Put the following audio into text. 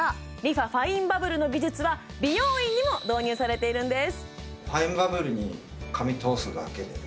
ファインバブルの技術は美容院にも導入されているんです